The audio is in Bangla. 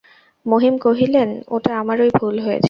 মহিম কহিলেন, ওটা আমারই ভুল হয়েছে।